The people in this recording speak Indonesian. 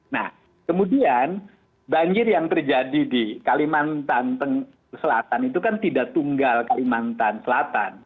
nah kemudian banjir yang terjadi di kalimantan selatan itu kan tidak tunggal kalimantan selatan